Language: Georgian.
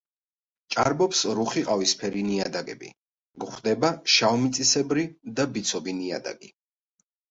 ჭარბობს რუხი ყავისფერი ნიადაგები, გვხვდება შავმიწისებრი და ბიცობი ნიადაგი.